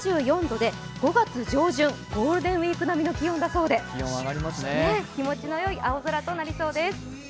２４度で５月上旬、ゴールデンウイーク並みの気温だそうで気持ちのよい青空となりそうです。